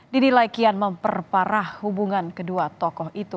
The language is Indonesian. dinilai kian memperparah hubungan kedua tokoh itu